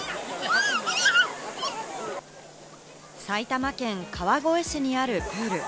埼玉県川越市にあるプール。